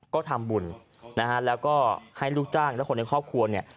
ก็ทำบุญนะฮะแล้วก็ให้ลูกจ้างและคนในครอบครัวเนี่ย